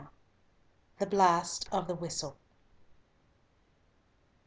THE BLAST OF THE WHISTLE.